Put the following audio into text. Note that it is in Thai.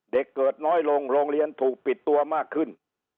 เด็กเกิดน้อยลงโรงเรียนถูกปิดตัวมากขึ้น